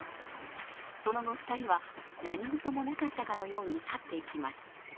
その後、２人は何事もなかったかのように去っていきます。